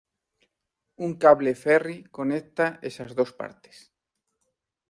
Un cable ferry conecta esas dos partes.